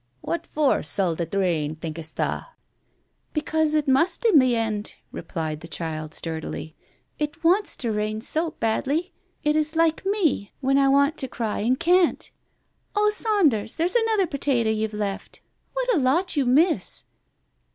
"What for suld it rain, think'st tha' ?"" Because it must in .the end," replied the child sturdily. "It wants to rain so badly. It is like me, when I want to cry and can't. Oh, Saunders, there's another potato you've left. What a lot you miss